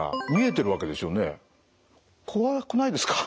怖くないですか？